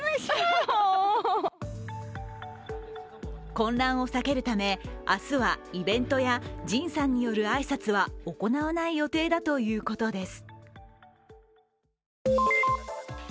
混乱を避けるため、明日はイベントやＪＩＮさんによる挨拶は行わない予定だということです。